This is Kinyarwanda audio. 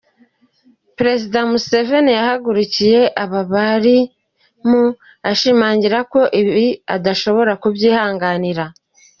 Perezida Museveni yahagurukiye aba barimu, ashimangira ko ibi adashobora kubyihanganira.